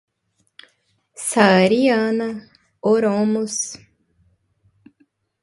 Saariana, oromos